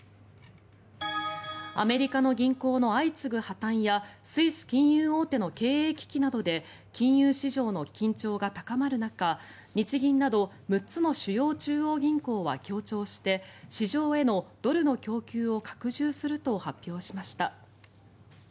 アメリカの銀行の相次ぐ破たんやスイス金融大手の金融危機などで金融市場の緊張が高まる中日銀など６つの主要中央銀行は協調して市場へのドルの供給を拡充すると発表しました。